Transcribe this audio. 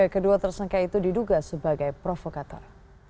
kedua tersangka itu diduga sebagai provokator